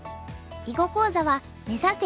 囲碁講座は「目指せ！